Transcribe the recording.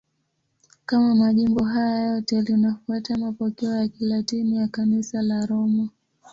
Kama majimbo hayo yote, linafuata mapokeo ya Kilatini ya Kanisa la Roma.